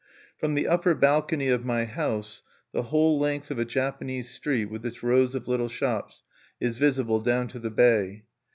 From the upper balcony of my house, the whole length of a Japanese street, with its rows of little shops, is visible down to the bay.